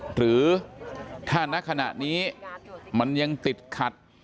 หรือถ้านักขณะนี้มันยังติดขัด